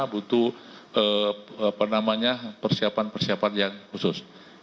butuh persiapan persiapan yang khusus